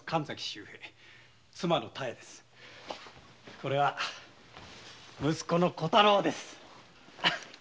これは息子の小太郎です。